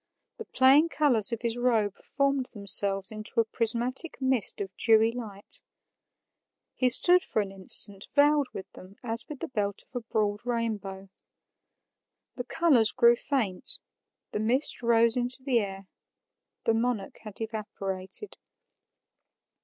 The playing colors of his robe formed themselves into a prismatic mist of dewy light; he stood for an instant veiled with them as with the belt of a broad rainbow. The colors grew faint; the mist rose into the air; the monarch had evaporated.